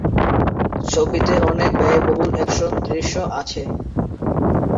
ছবিতে অনেক ব্যয়বহুল অ্যাকশন দৃশ্য আছে।